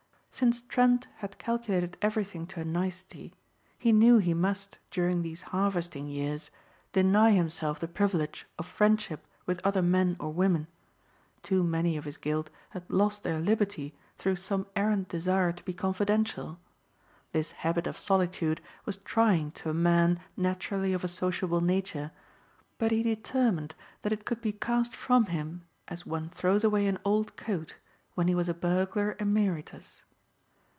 Since Trent had calculated everything to a nicety, he knew he must, during these harvesting years, deny himself the privilege of friendship with other men or women. Too many of his gild had lost their liberty through some errant desire to be confidential. This habit of solitude was trying to a man naturally of a sociable nature, but he determined that it could be cast from him as one throws away an old coat when he was a burglar emeritus.